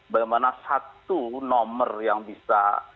bagaimana satu nomor yang bisa